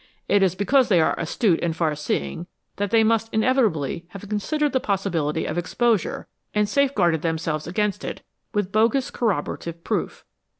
It is because they are astute and far seeing that they must inevitably have considered the possibility of exposure and safeguarded themselves against it with bogus corroborative proof.